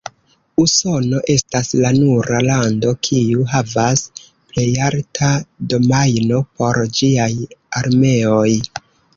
Usono estas la nura lando kiu havas plejalta domajno por ĝiaj armeoj.